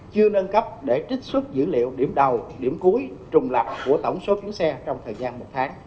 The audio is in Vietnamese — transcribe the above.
chưa nâng cấp để trích xuất dữ liệu điểm đầu điểm cuối trùng lập của tổng số chuyến xe trong thời gian một tháng